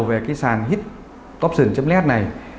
về cái sản hitoption net này